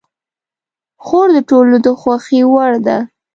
خور د ټولو د خوښې وړ ده.